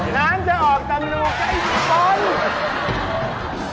น้ำจะออกจากหนูใกล้ต้น